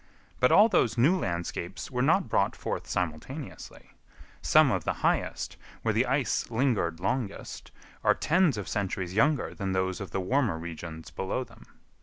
But all those new landscapes were not brought forth simultaneously; some of the highest, where the ice lingered longest, are tens of centuries younger than those of the warmer regions below them.